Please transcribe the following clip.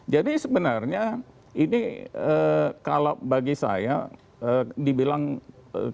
jadi sebenarnya ini kalau bagi saya dibilang ketidakpercayaan enggak